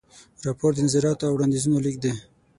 راپور د نظریاتو او وړاندیزونو لیږد دی.